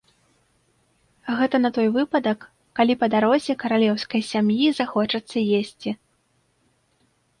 Гэта на той выпадак, калі па дарозе каралеўскай сям'і захочацца есці.